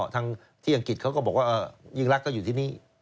ทางที่อังกฤษเขาก็บอกว่ายิ่งรักก็อยู่ที่นี่